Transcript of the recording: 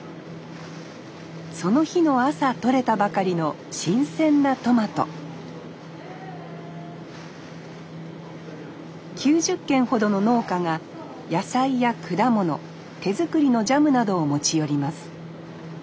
その日の朝とれたばかりの新鮮なトマト９０軒ほどの農家が野菜や果物手作りのジャムなどを持ち寄ります